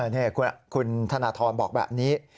นี่คุณธนทรบอกแบบนี้